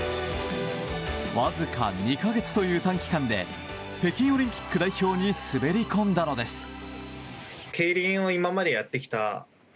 わずか２か月という短期間で北京オリンピック代表に滑り込んだのです。